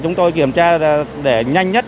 chúng tôi kiểm tra để nhanh nhất